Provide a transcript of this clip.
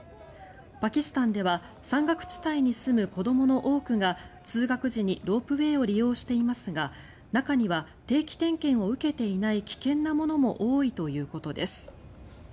パキスタンでは山岳地帯に住む子どもの多くが通学時にロープウェーを利用していますが中には、定期点検を受けていない危険なものも多いということです。